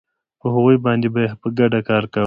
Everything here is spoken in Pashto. په هغوی باندې به یې په ګډه کار کاوه